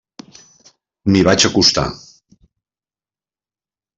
M'hi vaig acostar.